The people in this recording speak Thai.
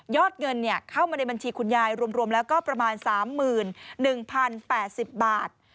เงินเข้ามาในบัญชีคุณยายรวมแล้วก็ประมาณ๓๑๐๘๐บาท